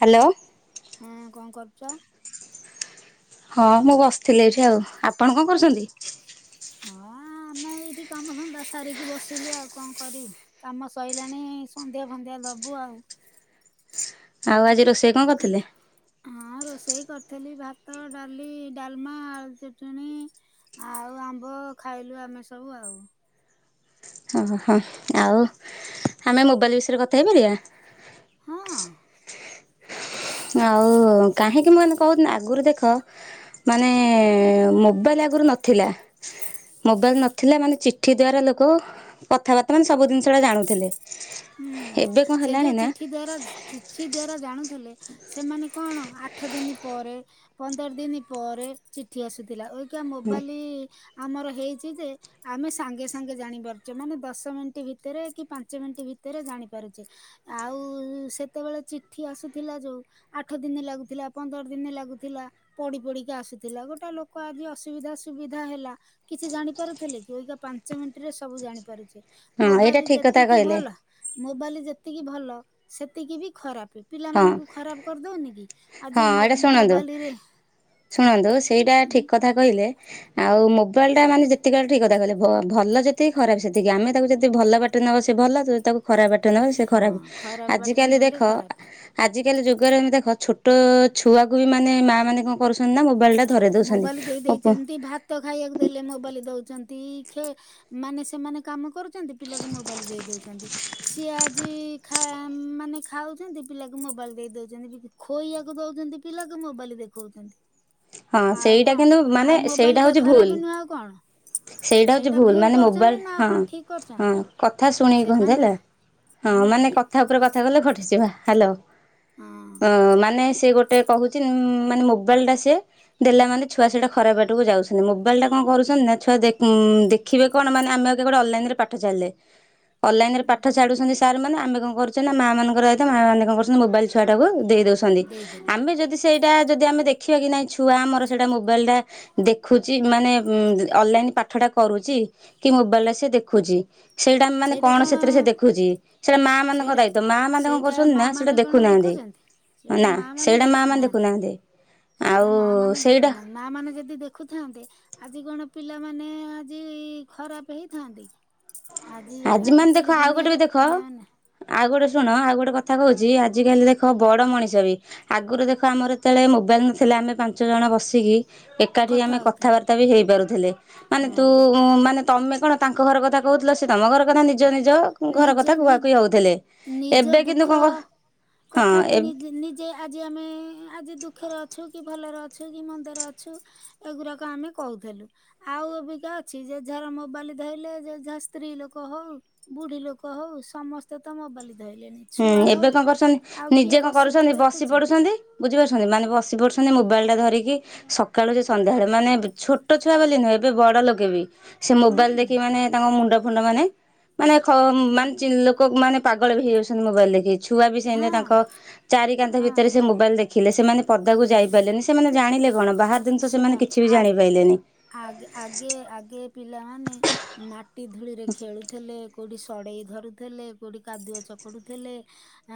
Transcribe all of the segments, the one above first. Hello. ହୁଁ କଣ କରୁଚ? ହଁ ମୁଁ ବସଥିଲି ଏଇଠି ଆଉ ଆପଣ କଣ କରୁଛନ୍ତି? ହଁ ଆମେ ଏଇଠି କାମ ଧନ୍ଦା ସାରିକି ବସିଲୁ ଆଉ କଣ କରିବୁ। କାମ ସଇଲାଣି ସନ୍ଧ୍ୟା ଫନ୍ଧ୍ୟା ଦବୁ ଆଉ। ଆଉ ଆଜି ରୋଷେଇ କଣ କରିଥିଲେ? ଉଁ ହଁ ରୋଷେଇ କରଥେଲି ଭାତ ଡାଲି ଡାଲମା ଆଳୁ ଚଟଣି ଆଉ ଆମ୍ବ ଖାଇଲୁ ଆମେ ସବୁ ଆଉ। ଓହୋ ଆଉ ଆମେ ମୋବାଇଲ ବିଷୟରେ କଥା ହେଇପାରିବା? ହଁ। ଆଉ କାହିଁକି ମୁଁ ଏଇନେ କହୁନି ଆଗୁରୁ ଦେଖ ମାନେ ମୋବାଇଲ ଆଗୁରୁ ନଥିଲା। ମୋବାଇଲ ନ ଥିଲା ମାନେ ଚିଠି ଦ୍ୱାରା ଲୋକ କଥାବାର୍ତ୍ତା ମାନେ ସବୁ ଜିନିଷଟା ଜାଣୁଥିଲେ। ହୁଁ ଏବେ କଣ ସେ ହେଲାଣି ଯୋଉ ନା ଚିଠି ଦ୍ଵାରା ଚିଠି ଦ୍ଵାରା ଜାଣୁଥେଲେ ସେମାନେ କଣ ଆ ଠ ଦିନି ପରେ ପନ୍ଦର ଦିନି ପରେ ଚିଠି ଆସୁଥିଲା ଅଇଖା ମୋବାଲି ଆମର ହେଇଚି ଯେ ଆମେ ସାଙ୍ଗେ ସାଙ୍ଗେ ଜାଣି ପାରୁଚେ ମାନେ ଦଶ ମିନିଟ ଭିତେରେ କି ପାଞ୍ଚ ମିନିଟ ଭିତେରେ ଜାଣି ପାରୁଚେ। ଆଉ ସେତେବେଳେ ଚିଠି ଆସୁଥିଲା ଯୋଉ ଆଠ ଦିନି ଲାଗୁଥିଲା ପନ୍ଦର ଦିନି ଲାଗୁଥିଲା। ପଡି ପଡିକି ଆସୁଥିଲା ଗୋଟେ ଲୋକ ଆଜି ଅସୁବିଧା ସୁବିଧା ହେଲା କିଛି ଜାଣି ପାରୁଥେଲେ କି ଅଇକା ପାଞ୍ଚ ମିନିଟ ରେ ସବୁ ଜାଣିପାରୁଚେ ହଁ ଏଇଟା ମୋବାଇଲ ଠିକ କଥା ଯେତିକି କହିଲେ। ଭଲ ମୋବାଇଲ ଯେତିକି ଭଲ ସେତିକି ବି ଖରାପେ। ହଁ ପିଲାମାନଙ୍କୁ ଖରାପ କର ଦଉନି କି ହଁ ଆଜି ଏଇଟା ଶୁଣନ୍ତୁ ମୋ-ମୋବାଇଲରେ ଶୁଣନ୍ତୁ ସେଇଟା ଠିକ କଥା କହିଲେ। ଆଉ ମୋବାଇଲଟା ମାନେ ଯେତିକି ବେଳେ ଠିକ କଥା କହିଲେ ଭ-ଭଲ ଯେତିକି ଖରାପ ସେତିକି ଆମେ ତାକୁ ଯଦି ଭଲ ବା ଟରେ ନବା ସିଏ ଭଲ ତ ତାକୁ ଖରାପ ବାଟରେ ନବା ସିଏ ହଁ ଖରାପେ ଖରାପ ବାଟରେ ଆଜିକାଲି ନେଲେ ଦେଖ ଖରାପ ଆଜିକାଲି ଯୁଗରେ ଆମେ ଦେଖ ଛୋଟ ଛୁଆକୁ ବି ମାନେ ମାଆ ମାନେ କଣ କରୁଛନ୍ତି ନା ମୋବାଇଲଟା ମୋବାଇଲ ଦେଇ ଦେଇଚନ୍ତି ଭା ତ ଖାଇଆକୁ ଦେଲେ ମୋବାଇଲ ଦଉଚନ୍ତି ଖେ ମାନେ ସେମାନେ କାମ କରୁ ଚନ୍ତି ପିଲାକୁ ମୋବାଇଲ ଦେଇ ଦଉଚନ୍ତି ସିଏ ଆ ଜି ଖା ମାନେ ଖାଉଚନ୍ତି ପିଲାକୁ ମୋବାଇଲ ଦେଇ ଦଉଚନ୍ତି ବି ଖୋଇଆକୁ ଦଉଚନ୍ତି ପିଲାକୁ ମୋବାଇଲ ଦେଖଉଚନ୍ତି। ହଁ ଆଉ ସେଇଟା କଣ କିନ୍ତୁ ମାନେ ଆଉ ସେଇଟା ମୋବାଇଲଟା ହଉଛି ଭୁଲ। ଖରାପ ନୁହଁ ଆଉ କଣ। ସେଇଟା ହଉଚି ଭୁଲ ମାନେ କରୁଛନ୍ତି ମୋବାଇଲ ନା ଆଉ ହଁ କଣ ଠିକ ହଁ କରୁଛନ୍ତି କଥା ଶୁଣିକି କୁହନ୍ତୁ ସେମାନେ ହେଲା। ହଁ ମାନେ କଥା ଉପରେ କଥା କହିଲେ ଖଟିଯିବା ହାଲୋ ହଁ ଅଁ ମାନେ ସେ ଗୋ ଟେ କହୁଚି ଉଁ ମାନେ ମୋବାଇଲଟା ସିଏ ଦେଲା ମାନେ ଛୁଆ ସେଇଟା ଖରାପ ବାଟକୁ ଯାଉ ଛନ୍ତି ମୋବାଇଲଟା କଣ କରୁଚନ୍ତି ନା ହୁଁ ଛୁଆ ଦେ ଉଁ ଦେଖିବେ କଣ ମାନେ ଆମେ ଅଇଖା ଗୋଟେ ଅଲଲାଇନରେ ପାଠ ଛାଡ଼ିଲେ ଅନଲାଇନ ରେ ପାଠ ଛାଡୁଛନ୍ତି ସାର ମାନେ ଆମେ କଣ କରୁଛେ ନା ମା ମାନଙ୍କର ହିତ ମାଆମାନେ କଣ କରୁଛନ୍ତି ମୋାବାଇଲ ଛୁଆଟାକୁ ଦେଇ ଦେଉଛ ନ୍ତି ଦେଇଦେଲେ ଆମେ ଯଦି ସେଇଟା ଯଦି ଆମେ ଦେଖିବା କି ନାହିଁ ଛୁଆ ଆମର ସେଇଟା ମୋବାଇଲଟା ଦେଖୁଛି ମାନେ ଅନଲାଇନ ପାଠଟା କରୁଛି କି ମୋବାଇଲରେ ସେ ଦେଖୁଛି ସେଇଟା ମାନେ କଣ ସେଥିରେ ସେ ଦେଖୁଛି ସେଇଟା ମା ମାନଙ୍କ ସେଇଟା ଦାୟିତ୍ଵ ମା ମାନେ କଣ ସେଇଟା କରୁଛନ୍ତି ମା ନା ସେଇଟା ମାନେ କଣ ଦେଖୁନାହାନ୍ତି। ଦେଖୁଛନ୍ତି ସେଇଟା ନା ମା ମାନେ ସେଇଟା ମା ଦେଖୁନାହାନ୍ତି ଆଉ ସେଇଟା ମା ମାନେ ସେଇଟା ଦେଖୁନାହାନ୍ତି। ମା ମାନେ ଯଦି ଦେଖୁଥାନ୍ତେ ଆଜି କଣ ପିଲାମାନେ ଆଜି ଖରାପ ହେଇଥାନ୍ତି କି? ଆଜି ମାନେ ଦେଖ ଆଜିକାଲି ଆଉ ଗୋଟେ ବି ଦୁନିଆରେ ଦେଖ ପିଲାମାନେ ଆଉ ଗୋଟେ ଶୁଣ ଆଉ ଗୋଟେ କଥା କହୁଛିି ଆଜିିକାଲି ଦେଖ ବଡ ମଣିଷ ବି ଆଗରୁ ଦେଖ ଆମର ଯେତେବେଳେ ମୋବାଇଲ ନଥିଲା ଆମେ ପାଞ୍ଚ ଜଣ ବସିକି ଏକାଠି କଥା ଆମେ ହଉଥିଲେ କଥାବାର୍ତ୍ତା ବି ହେଇପାରୁଥିଲେ ମାନେ ହଁ ତୁ ମାନେ ତମେ କଣ ତାଙ୍କ ଘର କଥା କହୁଥିଲ ସେ ତମ ଘର କଥା ନିଜ ନିଜ ଘର ନିଜ କଥା ନି କୁହାକୁହି ହେଉଥିଲେ। ନିଜ ଦୁଃଖ କଥା ବି ହଁ ନିଜ୍ ନି ଯେ ଆଜି ଆମେ ଆଜି ଦୁଃଖରେ ଅଛୁ କି ଭଲରେ ଅଛୁ କି ମନ୍ଦରେ ଅଛୁ ଏଗୁଡ଼ାକ ଆମେ କୋହୁଥିଲୁ। ଆଉ ଅବିକା ଅଛି ଯେ ଝାର ମୋବାଲି ଧଇଲେ ଯେ ଝା ସ୍ତ୍ରୀ ଲୋକ ହୋଉ ବୁଢ଼ୀ ଲୋକ ହୋଉ ସମସ୍ତେ ତ ମୋବାଲି ଧଇଲେଣି। ହୁଁ ଛୁଆ ଏବେ ହଉ କଣ ଆଉ କରୁଛନ୍ତି ନିଜେ କିଏ କଣ ବସିକି କରୁଛନ୍ତି ବସି ଦେଖୁଛି ପଡୁଛନ୍ତି ବୁଝିପାରୁଛନ୍ତି ମାନେ ବସିିପଢୁଛନ୍ତି ମୋବାଇଲ୍ ଟା ଧରିକି ସକାଳୁ ଯେ ସନ୍ଧ୍ୟାବେଳେ ମାନେ ଛୋଟ ଛୁଆ ବୋଲି ନୁହେଁ ଏବେ ବଡ ଲୋକେ ବି ସେ ହୁଁ ମୋବାଇଲ୍ ଦେଖି ମାନେ ତାଙ୍କ ମୁଣ୍ଡ ଫୁଣ୍ଡ ମାନେ ମାନେ ଖ ହୁଁ ମାନେ ଚିଲ କୋ ମାନେ ପାଗଳ ବି ହେଇ ଯାଉଛନ୍ତି ମୋବାଇଲ୍ ଦେଖି ଛୁଆ ବି ସେନ ହଁ ତାଙ୍କ ଚାରି କାନ୍ଥ ହଁ ଭିତରେ ସେ ମୋବାଇଲ୍ ଦେଖିଲେ ସେମାନେ ପଦାକୁ ହୁଁ ଯାଇପାରିଲେନି। ସେମାନେ ଜାଣିଲେ କଣ ବାହାର୍ ଶୁଣ ଆ -ଆଗେ ଆଗେ ଆଗେ ପିଲାମାନେ ମାଟି ଧୂଳି ରେ ଖେଳୁଥିଲେ କୋଉଠି ସଢ଼େଇ ଧରୁଥିଲେ କୋଉଠି କାଦୁଅ ଚକୁଟୁଥିଲେ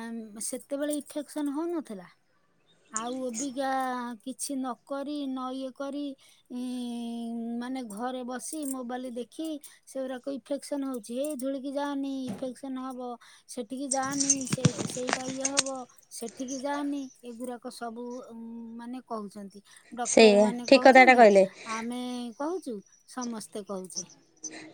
ଆମ୍ ସେତେବେଳେ ଇଫେକ୍ସନ୍ ହୋଉନଥିଲା। ଆଉ ଏବିକା କିଛିନକରି ନ ଇଏକରି ଇଁ--ମାନେ ଘରେ ବସି ମୋବାଲି ଦେଖି ସେଉରାକ ଇଫେକ୍ସନ ହୋଉଚି ହେ ଧୂଳି କି ଯାଆନି ଇଫେକ୍ସନ ହବ। ସେଠିକି ଯାଆନି ସେ -ସେଇଟା ଇଏ ହବ। ସେଠିକି ଯାନି ଏଗୁରାକ ସବୁ ମାନେ କୋହୁଛନ୍ତି। ସେଇଆ ଡକ୍ଟର ମାନେ ଠିକ କଥାଟା କହୁଛନ୍ତି କହିଲେ ଆମେ କହୁଛୁ ସମସ୍ତେ କହୁଛେ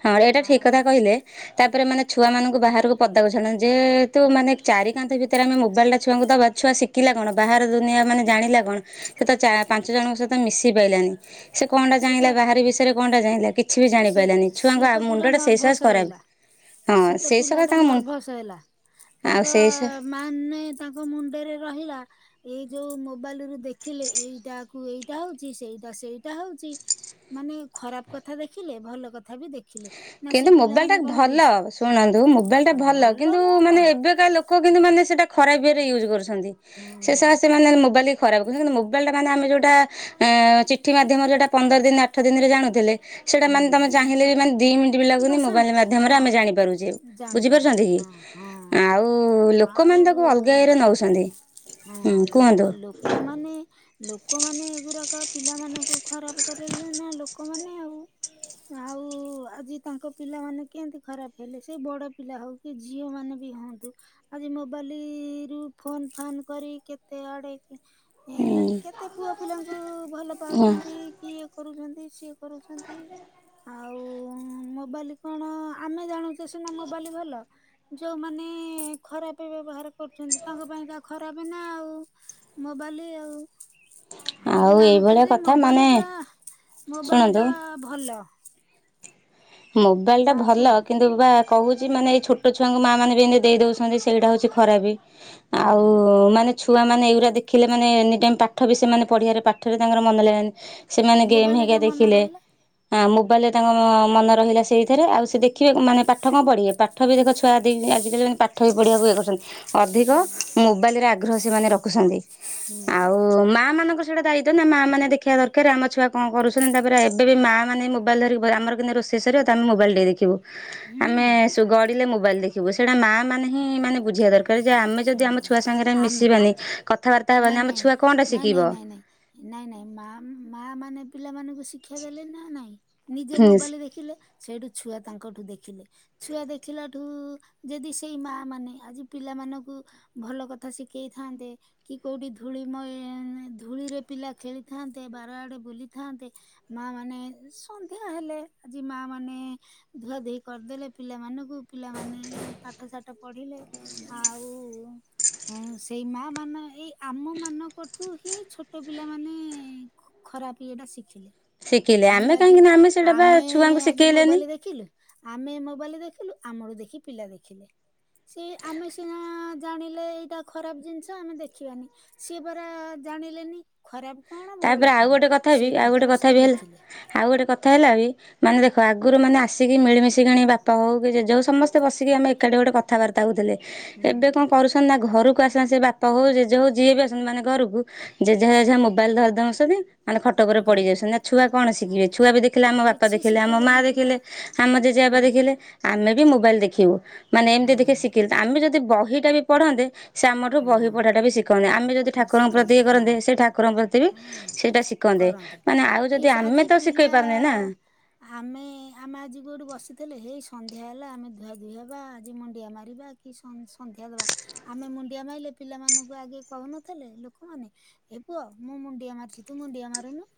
ହଁ ଏଇଟା ଠିକ କଥା ଆଉ କହିଲେ। ତାପରେ ମାନେ ଛୁଆ ମାନଙ୍କୁ ବାହାରକୁ ପଦାକୁ ଛାଡୁନାହାନ୍ତି ଯେ -ହେତୁ ମାନେ ଚାରି କାନ୍ଥ ଭିତରେ ଆମେ ମୋବାଇଲ୍ ଟା ଛୁଆଙ୍କୁ ଦବା ଛୁଆ ଶିଖିଲା କଣ ବାହାର ଦୁନିଆ ମାନେ ଜାଣିଲା କଣ ସେ ତ ଚା ପାଞ୍ଚ ଜଣଙ୍କ ସହ ମିଶି ପାଇଲାନି ସେ କଣଟା ସିଏ ଚାହିଁଲା ତ ବାହାରି ବିଷୟରେ କଣ ଟା ଚାହିଁଲା କି ସିଏ ସିଏ ତ ପୁରା ସକାଶେ ନର୍ଭସ ଖରାପ। ରହିଲା। ହଁ ସେତ ସେଇ ପିଲା ସକାଶେ ଟା ତାଙ୍କ ମୁ ନର୍ଭସ ହେଲା। ଆଉ ତାଙ୍କ ସେଇ ମାନେ ତାଙ୍କ ମୁଣ୍ଡରେ ରହିଲା ଏଇ ଯୋଉ ମୋବାଲି ରୁ ଦେଖିଲେ ଏଇଟା କୁ ଏଇଟା ହୋଉଛି ସେଇଟା ସେଇଟା ହୋଉଛି। ମାନେ ଖରାପ କଥା ଦେଖିଲେ ଭଲ କଥା ବି ଦେଖିଲେ ନା କିନ୍ତୁ ସେ ମୋବାଇଲ ଟା ପିଲାମାନେ କଣ ଭଲ ବୁଝି ଶୁଣନ୍ତୁ ମୋବାଇଲ୍ ଟା ଭଲ କିନ୍ତୁ ନୁହଁ ମାନେ କଣ ଏବେ କା ଲୋ ଲୋକ କିନ୍ତୁ ମାନେ ସେଟା ଖରାପ୍ ଇଏ ରେ ୟୁଜ କରୁଛନ୍ତି। ସେ ସା ହୁଁ ସେମାନେ ମୋବାଇଲି ଖରାପ କୁ କିନ୍ତ ମୋବାଇଲ୍ ଟା ମେ ଆମେ ଯଉଟା ଚିଠି ମାଧ୍ୟମରେ ଯଉଟା ପନ୍ଦର ଦିନ ଆଠ ଦିନରେ ଜାଣୁଥିଲେ ସେଇଟା ମାନେ ତମେ ହୁଁ। ଚାହିଁଲେ ମାନେ ଦି ମି ବି ଲାଗୁନି ଦଶ ମୋବାଇଲ୍ ମାଧ୍ୟମରେ ଆମେ ଜାଣି ପାରୁଚେ ହଁ ଜାଣିପାରୁଛି ବୁଝିପାରୁଛନ୍ତି ହଁ ହଁ କି ଆଉ ଲୋ ଆଉ ଲୋକମାନେ ତାକୁ ଅଲଗା ଇଏ ରେ ନୋଉଛନ୍ତି। ହଁ ଲୋକ ଲୋକମାନେ ଲୋକମାନେ ଏଗୁରାକ ପିଲାମାନଙ୍କୁ ଖରାପ କରେଇଲେନା ଲୋକେମାନେ ଆଉ। ଆଉ ଆଜି ତାଙ୍କ ପିଲାମାନେ କେଁତି ଖରାପ୍ ହେଲେ ସେ ବଡ଼ପିଲା ହୋଉ। ସେ ଝିଅ ମାନେ ବି ହୋନ୍ତୁ। ଆଜି ମୋବାଲି ରୁ ଫୋନ୍ ଫାନ୍ କରି କେତେ ଆଡ଼େ କି ଏ ହୁଁ କେତେ ପୁଅ ପିଲାଙ୍କୁ ଭଲ ପାଉଛନ୍ତି କି ଇଏ କରୁଛନ୍ତି ସିଏ କରୁଛନ୍ତି। ଆଉ ମୋବାଲି କଣ ଆମେ ଜାଣୁଚେ ସିନା ମୋବାଲି ଭଲ। ଯୋଉମାନେ ଖରାପେ ବ୍ୟବହାର କରୁଛନ୍ତି ତାଙ୍କ ପାଇଁ କା ଖରାପେ ନା ଆଉ। ମୋବାଲି ଆଉ। ଆଉ ଆମେ ଜାଣୁଛେ ଏଇଭଳିଆ ଯେ କଥା ମାନେ ମୋବାଲି ଟା ମୋବାଲି ଶୁଣନ୍ତୁ ଟା ଭଲ। ମୋବାଇଲ୍ ଟା ହଁ ଭଲ କୁହ କି ନ୍ତୁ କହୁଛି ମାନେ ଏଇ ଛୋଟ ଛୁଆଙ୍କୁ ମା ମାନେ ବି ଏମିତି ଦେଇ ଦଉଛନ୍ତି ସେଇଟା ହଉଛି ଖରାପେ। ଆଉ ହଁ ମାନେ ଛୁଆ ମାନେ ଏଗୁରା ଦେଖିଲେ ମାନେ ଏନି ଟାଇମ୍ ପାଠ ବି ସେମାନେ ପଢ଼ିବାରେ ପାଠ ବି ତାଙ୍କର ମନେ ଲାଗିବନି। ସେମାନେ ଗେମ୍ ହେରିକା ମୋବାଇଲରେ ମନ ଦେଖିଲେ ରହିଲା ମୋବାଇଲ ରେ ତାଙ୍କ ମନରେ ରହିଲା ସେଇଥରେ ଆଉ ସେ ଦେଖିବେ ମାନେ ପାଠ କଣ ପଢ଼ିବେ ପାଠ ବି ଦେଖ ଛୁଆ ଆଇ ଆଜିପର୍ଯ୍ୟନ୍ତ ପାଠ ବି ପଢ଼ିବାକୁ ଇଏ କରୁଛନ୍ତି। ଅଧିକ ହୁଁ। ମୋବାଇଲରେ ଆଗ୍ରହ ସେମାନେ ରଖୁଛନ୍ତି ହୁଁ ଆଉ ମା ମାନଙ୍କର ଯୋଉଟା ଦାୟିତ୍ୱ ନା ମା ମାନେ ଦେଖିବା ଦରକାର ଆମ ଛୁଆ କଣ କରୁଛନ୍ତି ତାପରେ ଏବେ ବି ମା ମାନେ ମୋବାଇଲ ଧରି ଆମର କେମିତି ରୋଷ ଇ ସରିବ ଆମେ ମୋବାଇଲ୍ ଟିକେ ଦେଖିବୁ। ହୁଁ। ଯୋଉ ଗଡ଼ିଲ ମୋାଇଲ ଦେଖିବୁ ସେଇଟା ମା ମାନେ ହିଁ ମାନେ ବୁଝିବା ଦରକାର। ଆମେ ଯଦି ଆମ ହୁଁ। ଛୁଆ ସାଙ୍ଗରେ ଆମେ ମିଶିବାନି କଥାବାର୍ତ୍ତା ନା ହେବାନି ଆମ ନାଇଁ ଛୁଆ କଣଟା ନାଇଁ ନାଇଁ ଶିଖିବ। ନାଇଁ ନାଇଁ ନାଇଁ ନାଇଁ ମା ମା ମାନେ ପିଲାମାନଙ୍କୁ ସି ଶିକ୍ଷା ଦେଲେ ନା ନାଇଁ ନିଜେ ମୋବାଇଲ ଦେଖିଲେ ସେଠୁ ଛୁଆ ତାଙ୍କଠୁ ଦେଖିଲେ। ଛୁଆ ଦେଖିଲା ଠୁ ଯଦି ସେଇ ମା ମାନେ ଆଜି ପିଲାମାନଙ୍କୁ ଙ୍କୁ ଭଲ କଥା ଶିଖେଇଥାନ୍ତେ। କି କୋଉଠି ଧୂଳି ମ ଧୂଳିରେ ପିଲା ଖେଳିଥାନ୍ତେ ବାର ଆଡେ ବୁଲିଥାନ୍ତେ। ମା ମାନେ ସନ୍ଧ୍ୟା ହେଲେ ଆଜି ମା ମାନେ ଧୁଆ ଧୁହି କରିଦେଲେ ପିଲାମାନଙ୍କୁ ପିଲାମାନେ ପାଠ ସାଠ ପଢିଲେ ଆଉ ହୁଁ। ହୁଁ ସେଇ ମା ମାନେ ହିଁ ଆମ ମାନଙ୍କଠୁ ହିଁ ଛୋଟ ପିଲାମାନେ ଖରାପ ଇଏଟା ଶିଖିଲେ ଶିଖିଲେ ଆମେ ଆଜି କାହିଁକି ନା ସେଇଟା ବା ଆମେ ଛୁଆଙ୍କୁ ଆଜି ଶିଖେଇଲେନି। ମୋବାଇଲ ଦେଖିଲୁ। ଆମେ ମୋବାଇଲରେ ଦେଖିଲୁ ଆମଠୁ ଦେଖି ପିଲା ଦେଖିଲେ ସେ ଆମେ ସିନା ଜାଣିଲେ ଏଇଟା ଖରାପ ଜିନିଷ ଆମେ ଦେଖିବାନି ସିଏ ପରା ଜାଣିଲେନି। ଖରାପ କଣ ତାପରେ ଭଲ ଆଉ ଗୋଟେ କଣ କଥା ବି ସିଏ ଆଉ ଗୋଟେ ତାଙ୍କର କଥା ସିଏ ବି ହେଲା ଦେଖିଲେ। ଆଉ ଗୋଟେ କଥା ହେଲା ବି ମାନେ ଦେଖ ଆଗରୁ ମାନେ ଆସିକି ମିଳିମିଶିକିଣି ବାପା ହଉ କି ଜେଜ ହଉ ସମସ୍ତେ ବସିକି ଆମେ ଏକାଠି ଗୋଟେ କଥାବାର୍ତ୍ତା ହୋଇଥିଲେ ହୁଁ ଏବେ କଣ କରୁଛନ୍ତି ନା ଘରକୁ ଆସନ୍ନ୍ତି ସେ ବାପ ହଉ ଜେଜେ ହଉ ଯିଏ ବି ଆସନ୍ତି ମାନେ ଘରକୁ ଜେଜେଜେଜେ ମୋବାଇଲ ଧରେଇ ଦଉଛନ୍ତି। ମାନେ ଖଟଉପରେ ପଡି ଗଲା ଯାଉଛନ୍ତି ନା ଛୁଆ କଣ ହଁ ଶିଖିବେ ଛୁଆ ବି ଦେଖିଲ ଆମ ବାପା କିଛି ଦେଖିଲେ ଆମ ମା ଶିଖିଲେନି ପିଲା ଦେଖିଲେ ଆମ ଜେଜେ ବାପା ପିଲ ଦେଖିଲେ ଆମେ ବି ମୋବାଇଲ ଦେଖିବୁ ମାନେ ଏମିତି ଦେଖି ହଁ ଶିଖିଲେ ଆମେ ଯଦି ବହିଟା ବି ପଢନ୍ତେ। ସେ ଆମଠାରୁ ବହି ପଢ଼ାଟା ବି ଶିଖନ୍ତେ ଆମେ ଯଦି ହଁ ଠାକୁରଙ୍କୁ ପ୍ରତି ଶିଖନ୍ତେ ଇଏ ହଁ କରନ୍ତେ ସେ ଠା ଠାକୁର ପ୍ରତି ବି ହଁ ସେଇଟା ଶିଖନ୍ତେ କରନ୍ତି ମାନେ ଆଉ କି ଯଦି ସେ ଆଜି ଆମେ ତ ପିଲା ଶିଖେଇ ପାରୁନେ ନା। ଆମେ ଆମେ ଆଜି କୋଉଠି ବସିଥିଲେ ହେଇ ସନ୍ଧ୍ୟା ହେଲା ଆମେ ଧୁଆଧୁଇ ହବା ଆଜି ମୁଣ୍ଡିଆ ମାରିବା। କି ସନ୍ଧ୍ୟା ଦବା ଆମେ ମୁଣ୍ଡିଆ ମାଇଲେ ପିଲାମାନଙ୍କୁ ଆଗେ କହୁନଥିଲେ ଲୋକମାନେ ଏ ପୁଅ ମୁଁ ମୁଣ୍ଡିଆ ମାରୁଛି ତୁ ମୁଣ୍ଡିଆ ମାରୁନୁ।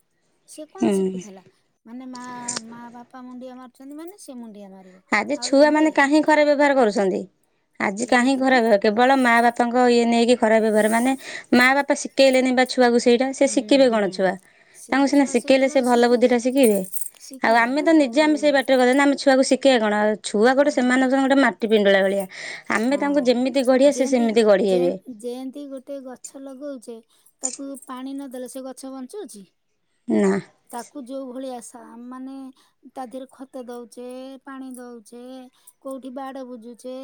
ସିଏ କଣ ହୁଁ। ଶିଖୁଥିଲା ମାନେ ମା ମା ବାପା ମୁଣ୍ଡିଆ ମାରୁଛନ୍ତି ମାନେ ସେ ମୁଣ୍ଡିଆ ମାରିବ। ଆଜି ଆଉ ଛୁଆ ଏବେ ମାନେ କାହିଁ ଖରା ବ୍ୟବହାର କରୁଛନ୍ତି ଆଜି କାହିଁ ଖରା ଏଇଥିପାଇଁ ବ୍ୟ କେବଳ ମା ବାପାଙ୍କ ଇଏ ନେଇକି ଖରାପ ବ୍ୟବହାର ମାନେ ମା ବାପା ଶିଖେଇଲେନି ବା ଛୁଆକୁ ସେଇଟା ସେ ହୁଁ ଶିଖିବେ ହୁଁ କଣ ଛୁଆ ସେ ତାଙ୍କୁ ସିନା ଛୁଆ ଶିଖେଇଲେ ସେ ସେଇଥିଲାଗି ଭଲ ଶିଖି ବୁଦ୍ଧି ଟା ଶିଖିବେ। ଆଉ ଶିଖିବେ ଆମ ତ ଆଉ ନିଜେ ଆମେ ସେଇ ବାଟରେ ଗଲେ ନା ଆମେ ଛୁଆକୁ କିଏ କଣ ଛୁଆ ଗୋଟେ ହଁ ସେମାନେ ହଉଚନ୍ତି ଗୋଟେ ମାଟି ପିଣ୍ଡୁଳା ଭଳିଆ। ଆମେ ତାଙ୍କୁ ଯେମିତି ହଁ ଗଢିବା ସେ ଯେଏନ୍ତି ସେମିତି ଗଢି ଯେ ହେବେ ଯେଏନ୍ତି ଗୋଟେ ଗଛ ଲଗଉଛେ ତାକୁ ପାଣି ନଦେଲେ ସେ ଗଛ ବଞ୍ଚୁଛି। ନା। ତାକୁ ଯୋଉ ଭଳି ଆସା ଆମ ମାନେ ତା ଦେହରେ ଖତ ଦଉଛେ ପାଣି ଦଉଛେ କୋଉଠି ବାଡ ବୁଜୁଛେ।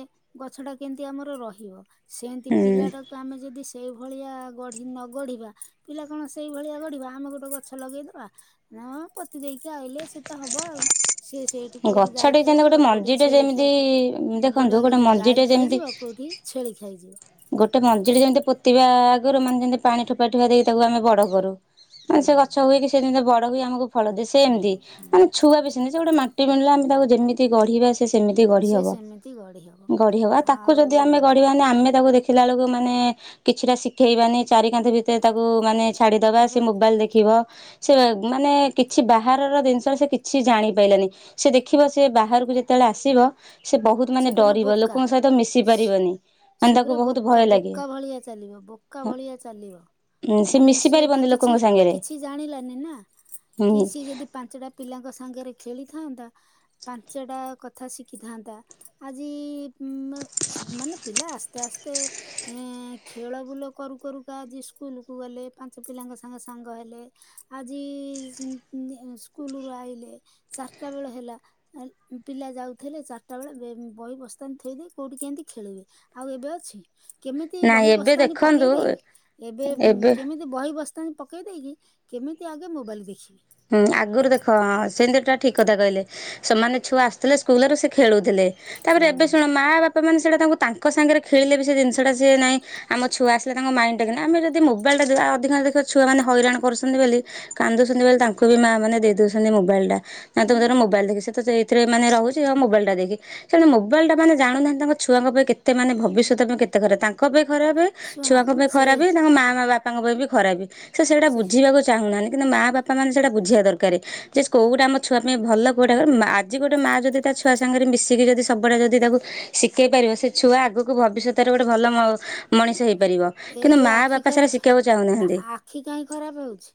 ଗଛ ଟା କେମିତି ଆମର ରହିବ ସେମତି ହୁଁ। ପିଲାଟାକୁ ଆମେ ଯଦି ସେଇ ଭଳିଆ ଗଢି ନ ଗଢିବା ପିଲା କଣ ସେଇଭଳିଆ ଗଢିବା ଆମେ ଗୋଟେ ଗଛ ଲଗେଇଦବା ହ ପୋତି ଦେଇକି ଆଇଲେ ସେ ତ ହବ ଆଉ। ସିଏ ସେଇଠୁ କୋଉଠୁ ଗାଈ ଗଛଟେ ଯେମିତି ଗୋଟେ ଖାଇଯିବ କୋଉଠି ମଞ୍ଜିଟେ ଛେଳି ଯେମିତି ଖଏ ଦେଖନ୍ତୁ ଗୋଟେ ଗାଈ ମଞ୍ଜିଟେ ଯେମିତି ଖାଇଯିବ କୋଉଠି ଛେଳି ଖାଇଯିବ। ଗୋଟେ ମଞଜିରେ ଯେମିତି ପୋତିିବା ଆଗରୁ ମାନେ ଯେମିତି ପାଣି ଠୋପେ ଠୋପେ ଦେଇକି ତାକୁ ଆମେ ବଡ କରୁ। ମାନେ ହୁଁ। ସେ ଗଛ ହୁଏ କି ସେ ଯେମିତି ବଡ ହୁଏ ଆମକୁ ଫଳ ଦିଏ ସେ ହୁଁ ଏମିତି ହୁଁ ମାନେ ଛୁଆ ବେଶୀ ଜି ଗୋଟେ ମାଟି ପେଣ୍ଡୁଳା ଆମେ ତାକୁ ଯେମିତି ଗଢିବା ସେମିତି ଗଢି ସେ ହବ ସେମିତି ଗଢ଼ି ହବ ଗଢି ହବ ଆତାକୁ ଆଉ ଯଦି ଆମେ ଗଢିବା ନା ଆମେ ତାକୁ ଦେଖିଲା ବେଳକୁ ମାନେ କିଛିଟା ଶିଖେଇବାନି ଚାରି କାନ୍ଥ ଭିତରେ ତାକୁ ମାନେଜ୍ ଛାଡି ଦବା ର ସିଏ ମୋବାଇଲି ଦେଖିବ। ଛୂଆ ସିଏ ଉଃ ମାନେ କିଛି ବାହାରର ଜିନିଷ ସେ କିଛି ଜାଣିପାଇଲାନି। ସିଏ ଦେଖିବ ସିଏ ବାହାରକୁ ଯେତେଳେ ଆସିବ ସିଏ ବହୁତ ସେ ମାନେ ପୁରା ଡରିବ ବୋକା। ଲୋକଙ୍କ ସହିତ ମିଶି ପାରିବନି। ମାନେ ସେ ତାକୁ ପୁରା ବହୁତ ଭୟ ବୋକା ଲାଗେ ବୋକା ଭଳିଆ ଚାଲିବ ବୋକା ଭଳିଆ ଚାଲିବ। ସେ ମାନେ ମିଶି ସିଏ ତ ପାରିବନି କିଛି ଲୋକଙ୍କ ସାଙ୍ଗରେ କିଛି ଜାଣିଲାନି ନା କି ହୁଁ ସିଏ ଯଦି ପାଞ୍ଚଟା ପିଲାଙ୍କ ସାଙ୍ଗରେ ଖେଳିଥାନ୍ତା ପାଞ୍ଚଟା କଥା ଶିଖିଥାନ୍ତା। ଆଜି ଉଁ ଆମାନେ ପିଲା ଆସ୍ତେ ଆସ୍ତେ ଏଁ ଖେଳ ବୁଲ କରୁ କରୁ କା ଆଜି ସ୍କୁଲକୁ ଗଲେ ପାଞ୍ଚ ପିଲାଙ୍କ ସାଙ୍ଗେ ସାଙ୍ଗ ହେଲେ। ଆଜି ଉଂ ଉଂ ସ୍କୁଲ ରୁ ଆଇଲେ ଚାରିଟା ବେଳେ ହେଲା। ଏ ଇ ପିଲା ଯାଉଥିଲେ ଚାର୍ ସେତେବେଳେ ବେ ବହି ବସ୍ତାନି ଥୋଇ ଦେଇ କୋଉଠି କେମିତି ଖେଳିବେ ଆଉ ଏବେ ଅଛି। କେମିତି ନାଇଁ ବହି ଏବେ ବସ୍ତାନୀ ଦେଖନ୍ତୁ ପକେଇ ଦେଇ ଏବେ ଉଂ କେମି ତି ବହି ବସ୍ତାନ୍ତି ପକେଇ ଦେଇକି କେମିତି ଆଗେ ମୋବାଇଲ ଦେଖିବି। ହୁଁ ଆଗରୁ ଦେଖ ହଁ ସେମିତିଟା ଠିକ କଥା କହିଲେ ସେମାନେ ଛୁଆ ଆସୁଥିଲେ ସ୍କୁଲରୁ ସେ ଖେଳୁଥିଲେ। ତାପରେ ହୁଁ। ଏବେ ଶୁଣ ମା ବାପା ମାନେ ସେଇଟା ତାଙ୍କୁ ତାଙ୍କ ସାଙ୍ଗରେ ଖେଳିଲେ ବି ସେ ଜିନିଷଟା ସିଏ ନାଇଁ ଆମ ଛୁଆ ସି ହେଲେ ତାଙ୍କ ମାଇଣ୍ଡଟା କିି ଆମେ ଯଦି ମୋବାଇଲ୍ ଟା ଦବା ଅଧିକାଂଶ ଦେଖିବା ଛୁଆମାନେ ହଇରାଣ କରୁଚନ୍ତି ବୋଲି କାନ୍ଦୁଚନ୍ତି ବୋଲି ତାଙ୍କୁ ଙ୍କୁ ବି ମା ମାନେ ଦେଇ ଦୋଉଚନ୍ତି ମୋବାଇଲ ଟା ନା ହୁଁ। ତୁମେ ତର ହୁଁ। ମୋବାଇଲ ଦେଖି ସିଏ ତ ଯି ଥିରେ ମାନେ ରହୁଚି ଆଉ ମୋବାଇଲ ଟା ଦେଇକି। ସେମିତି ମୋବାଇଲ ଟା ମାନେ ଜାଣୁନାହାନ୍ତି ତାଙ୍କ ଛୁଆଙ୍କ ପାଇଁ କେ କେତେ ମାନେ ଭବିଷ୍ୟତ ପାଇଁ କେତେ ଖରାପେ ତାଙ୍କ ପାଇଁ ଖରାପେ। ଶୁଣ ଛୁଆଙ୍କ ପାଇଁ ସେଇ ଖରାପେ ତାଙ୍କ ମା ଆଁ ମାଁବାପା ପାଙ୍କ ପାଇଁ ବି ଖରାପେ ସେ ସେଇଟା ବୁଝିବାକୁ ଚାହୁଁ ନାହାନ୍ତି କିନ୍ତୁ ମା ବାପା ମାନେ ସେଟା ବୁଝିବା ଦର୍ କାରେ ଯେ କୋଉଟା ଆମ ଛୁଆ ମେ ଭଲ କୋଉଟା କହନିଁ ମା ଆଜି ଗୋଟେ ମା ଯଦି ତା ଛୁଆ ସାଙ୍ଗରେ ମିଶିକି ଯଦି ସବୁଡେ ଯଦି ତାକୁ ଶିକେଇ ପାରିବ ସେ ଛୁଆ ଆଗକୁ ଭବିଷ୍ୟତରେ ଗୋଟେ ଭଲ ମ ମଣିଷ ହେଇପାରିବ ଏଇ କିନ୍ତୁ ଯୋଉ ମା ଆଖି ବାପା ସେରା ଖରାପ ଶିକେଇବାକୁ ମା- ଚାହୁଁନାହାନ୍ତି। ଆଖି କାହିଁ ଖରାପ ହୋଉଚି?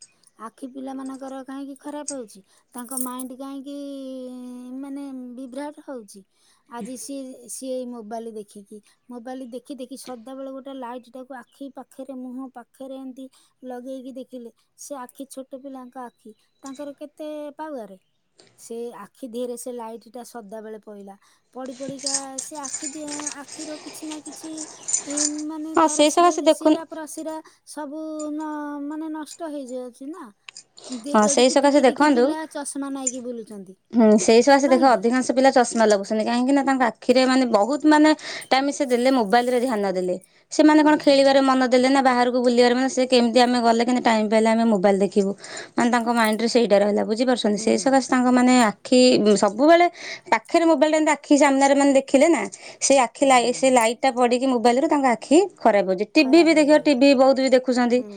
ଆଖି ପିଲାମାନଙ୍କର କାହିଁକି ଖରାପ ହୋଉଚି? ତାଙ୍କ ମାଇଣ୍ଡ କାହିଁକିଇଁ ମାନେ ବିଭ୍ରାଟ ହଉଚି। ଆଜି ସି ସିଏ ଏଇ ମୋବାଇଲ ଦେଖିକି ମୋବାଇଲ ଦେଖି ଦେଖି ସଦାବେଳେ ଗୋ ଟେ ଲାଇଟ୍ ଟାକୁ ଆଖି ପାଖରେ ମୁହଁ ପାଖରେ ଏଣଁତି ଲଗେଇକି ଦେଖିଲେ ସେ ଆଖି ଛୋଟ ପିଲାଙ୍କ ଆଖି ତାଙ୍କର କେତେ ପାୱାରେ? ସେ ଆଖି ଧିରେ ସେ ଲାଇଟ୍ ଟା ସଦା ବେଳେ ପଇଲା। ପଡି ପଡିକା ସେ ଆଖି ଦିହାଁ ଆଖିର କିଛି ନା କିଛି ମା ମାନେ ହଁ ତାର ସେଇ ଶ୍ରୀ ସକାଶେ ଦେଖୁ ଶ୍ରାରା ପ୍ରଶିରା ସବୁ ନ ମାନେ ନଷ୍ଟ ହେଇଯାଉଚି ନା। ଦେ ହଁ ସେଇ ଏଡିକି ସକାଶେ ଟିକି ଟିକି ଦେଖନ୍ତୁ ପିଲା ଚଷମା ନାଇକି ବୁଲୁଚନ୍ତି। ହୁଁ ସେଇସକାସେ ଦେଖ ଅଧିକାଂଶ ପିଲା ଚଷମା ଲାଗୁ ମାନେ କାହିଁକି ନା ତାଙ୍କ ଆଖିରେ ମାନେ ବହୁତ ମାନେ ଟାଇମ୍ ସେ ଦେଲେ ମୋବାଇଲ ରେ ଧ୍ୟାନ ଦେଲେ। ସେମାନେ କଣ ଖେଳିବାରେ ମନ ଦେଲେ ନା ବାହାରୁ କୁ ବୁଲିଆରେ ସେ କେମତି ଆମେ ଗଲେ ଟାଇମ୍ ପାଇଲେ ଆମେ ମୋବାଇଲ ଦେଖିବୁ ମାନେ ତାଙ୍କ ମାଇଣ୍ଡରେ ସେଇଟା ରହିଲା। ବୁଝି ଝି ପାରୁଚନ୍ତି ସେହି ସକାଶେ ତାଙ୍କମାନେ ଆ ଆଖି ସବୁବେଳେ ପାଖରେ ମୋବାଇଲଟା ଏମତି ଆଖି ସାମ୍ନାରେ ମାନେ ଦେଖିଲେନା ସେଇ ଆ ଆଖି ଲାଇ ସେ ହୁଁ। ଲାଇଟା ପଡ଼ିକି ମୋବାଇଲରୁ ତାଙ୍କ ଆଖି ଖରାପ ହଉଚି ଟିଭି ବି ଖରାପ ଦେଖିବ ହେଇଗଲା ଟିଭି ବହୁତ ବି ଦେଖୁଚନ୍ତି ହୁଁ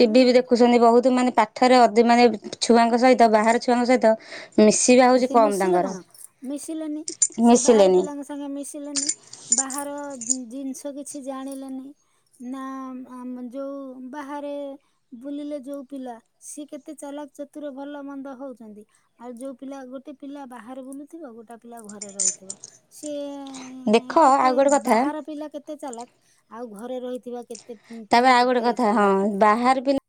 ଟିଭି ବି ଦେଖୁଚନ୍ତି ବହୁତ ମାନେ ପାଠରେ ଅ ଦି ମାନେ ଛୁଆଙ୍କ ସହିତ ବାହାର ଛୁଆଙ୍କ ସହିତ ମିଶ୍ ସେ ମିଶିଲେ କଣ ମିଶିଲେନି ସେଏ ବାହାର ମିଶିଲେନି ପିଲାଙ୍କ ସ ଙ୍ଗେ ମିଶିଲେନି ବାହାର ଜିନିଷ କିଛି ଜାଣିଲେନି। ନା ଆଁ ଆମଁ ଯୋଉ ବାହାରେ ବୁଲିଲେ ଯୋଉ ପିଲା ସିଏ କେତେ ଚାଲାକ ଚତୁର ଭଲ ମନ୍ଦ ହଉଚନ୍ତି ଆଉ ଯୋଉ ପିଲା ଗୋଟେ ପିଲା ବାହାରେ ବୁଲୁଥିବ ଗୋଟେ ପିଲା ଘରେ ରହିଥିବ ସିଏ ଉଁ ଦେଖ ହୁଁ ଆଉ କେତେ ଗୋଟେ କଥା ବାହାର ପିଲା କେତେ ଚାଲାକ୍ ଆଉ ଘରେ ରହିଥିବା କେତେ ତାପରେ ପିଲା ଆଉ ଗୋଟେ କେତେ କଥା ହଁ ଚାଲାଖେ। ବାହାର ପିଲା